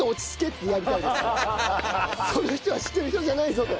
「その人は知ってる人じゃないぞ」と。